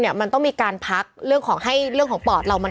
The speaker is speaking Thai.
มันต้องมีการพักเรื่องของให้เรื่องของปอดเรามัน